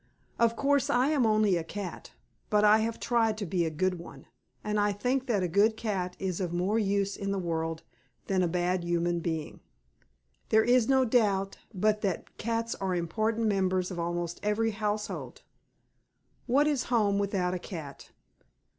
Of course I am only a cat, but I have tried to be a good one, and I think that a good cat is of more use in the world than a bad human being. There is no doubt but that cats are important members of almost every household. What is home without a cat?